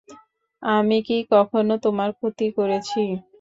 আমি কি কখনো তোমার ক্ষতি করেছি?